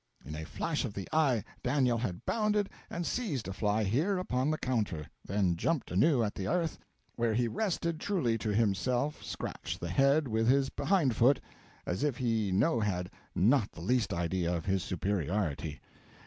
in a fash of the eye Daniel had bounded and seized a fly here upon the counter, then jumped anew at the earth, where he rested truly to himself scratch the head with his behind foot, as if he no had not the least idea of his superiority.